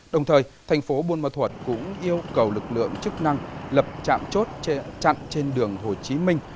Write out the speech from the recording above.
đồng thời thành phố buôn ma thuật cũng yêu cầu lực lượng chức năng lập trạm chốt chặn trên đường hồ chí minh